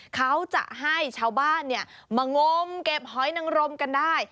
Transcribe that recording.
เขาจะให้ชาวบ้านมางมเก็บหอยนังรมกันได้